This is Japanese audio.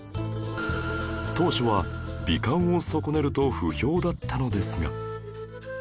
当初は美観を損ねると不評だったのですが